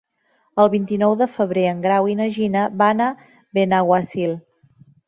El vint-i-nou de febrer en Grau i na Gina van a Benaguasil.